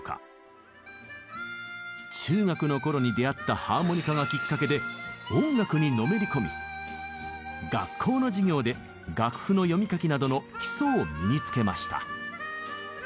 中学のころに出会ったハーモニカがきっかけで音楽にのめり込み学校の授業で楽譜の読み書きなどの基礎を身につけました。